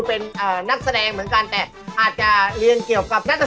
เอกดีไทย